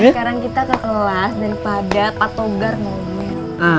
sekarang kita ke kelas daripada patogger mobil